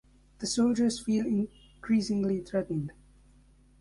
The soldiers feel increasingly threatened.